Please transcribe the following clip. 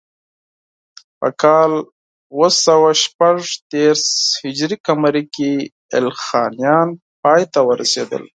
په کال اوه سوه شپږ دېرش هجري قمري کې ایلخانیان پای ته ورسېدل.